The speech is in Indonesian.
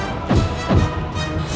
ini mah aneh